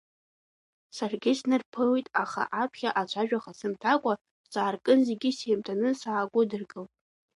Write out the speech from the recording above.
Саргьы снарԥылеит, аха аԥхьа ацәажәаха сымҭакәа, сааркын, зегьы сеимданы саагәыдыркылт.